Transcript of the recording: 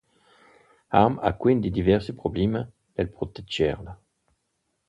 Harm ha quindi diversi problemi nel proteggerla.